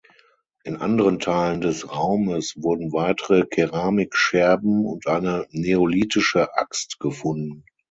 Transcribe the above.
In anderen Teilen des Raumes wurden weitere Keramikscherben und eine neolithische Axt gefunden.